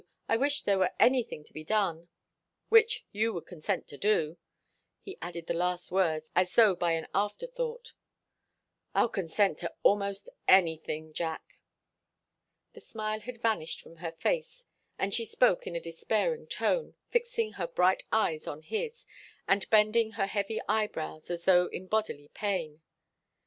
I wish there were anything to be done which you would consent to do." He added the last words as though by an afterthought. "I'll consent to almost anything, Jack." The smile had vanished from her face and she spoke in a despairing tone, fixing her big eyes on his, and bending her heavy eyebrows as though in bodily pain.